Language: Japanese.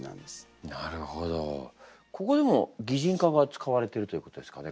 ここでも擬人化が使われてるということですかね？